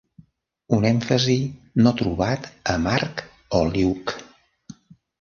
Un èmfasi no trobat a Mark o Luke.